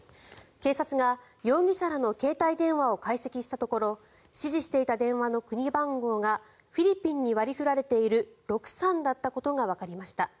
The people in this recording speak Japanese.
警察が容疑者らの携帯電話を解析したところ指示していた電話の国番号がフィリピンに割り振られている６３だったことがわかりました。